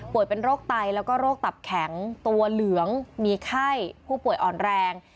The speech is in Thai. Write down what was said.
เป็นโรคไตแล้วก็โรคตับแข็งตัวเหลืองมีไข้ผู้ป่วยอ่อนแรง